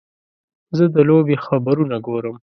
زه د لوبې خبرونه ګورم.